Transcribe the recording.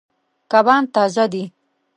کبان تازه دي.